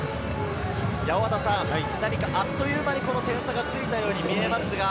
あっという間にこの点差がついたように見えます。